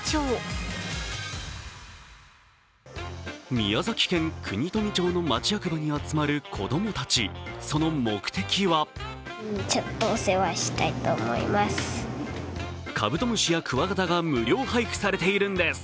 宮崎県国富町の町役場に集まる子供たち、その目的はカブトムシやクワガタが無料配布されているんです。